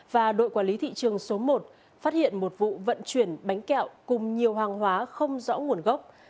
và đội quản lý thị trường số một phát hiện một vụ vận chuyển bánh kẹo cùng nhiều hàng hóa không rõ nguồn gốc